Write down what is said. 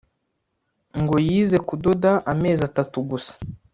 ngo yize kudoda amezi atatu gusa